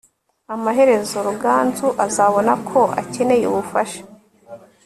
amaherezo, ruganzu azabona ko akeneye ubufasha